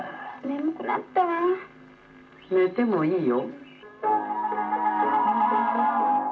寝てもいいよ。